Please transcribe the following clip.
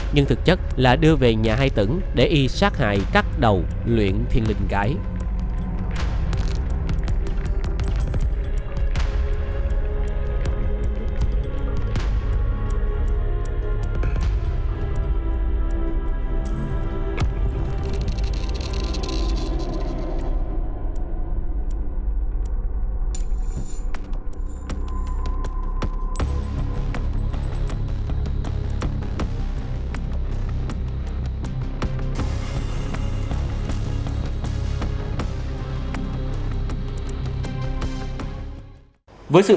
nhưng thực chất là đưa về nhà hai tỉnh để y sát hại cắt đầu luyện thiên linh cái